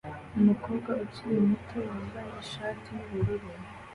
Umukobwa ukiri muto wambaye ishati yubururu